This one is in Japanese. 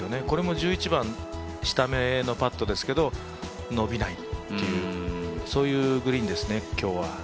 これも１１番下目のパットですけど伸びないというそういうグリーンですね、今日は。